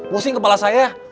pusing kepala saya